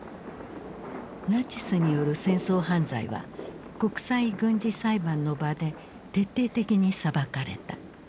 ナチスによる戦争犯罪は国際軍事裁判の場で徹底的に裁かれた。